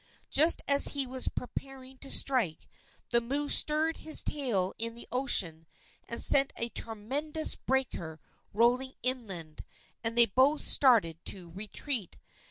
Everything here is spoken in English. Just as he was preparing to strike, the moo stirred his tail in the ocean and sent a tremendous breaker rolling inland, and they both started to retreat.